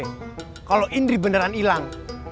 eh kalo indri beneran hilang